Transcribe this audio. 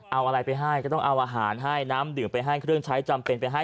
เอาอะไรไปให้ก็ต้องเอาอาหารให้น้ำดื่มไปให้เครื่องใช้จำเป็นไปให้